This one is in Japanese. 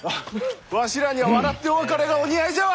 わしらにゃ笑ってお別れがお似合いじゃわ！